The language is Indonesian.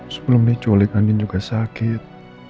sebelum diculik angin juga sakit